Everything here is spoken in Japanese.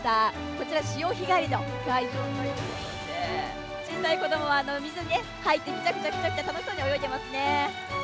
こちら潮干狩りの会場ということで小さい子供は水に入ってピチャピチャ楽しそうに泳いでますね。